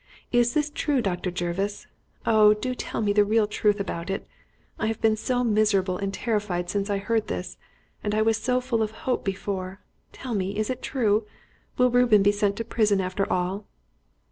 Is this true, Dr. Jervis? Oh! do tell me the real truth about it! I have been so miserable and terrified since I heard this, and I was so full of hope before. Tell me, is it true? Will Reuben be sent to prison after all?"